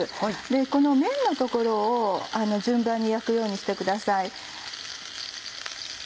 この面の所を順番に焼くようにしてください。